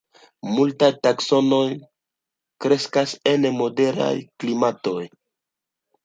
Multaj taksonoj kreskas en moderaj klimatoj.